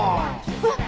うわっ！